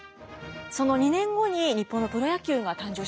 その２年後に日本のプロ野球が誕生したんだよね。